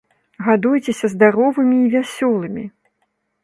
Гадуйцеся здаровымі і вясёлымі!